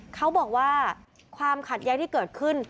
เขาบอกว่าความขัดแย้งที่เกิดขึ้น